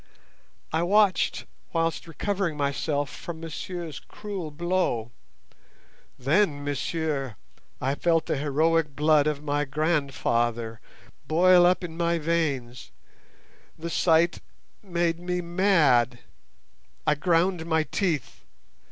I watched whilst recovering myself from monsieur's cruel blow; then, messieurs, I felt the heroic blood of my grandfather boil up in my veins. The sight made me mad. I ground my teeth!